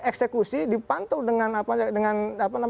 eksekusi dipantul dengan